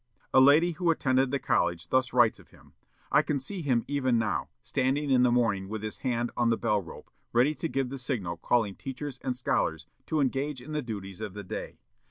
A lady who attended the college thus writes of him: "I can see him even now, standing in the morning with his hand on the bell rope, ready to give the signal calling teachers and scholars to engage in the duties of the day.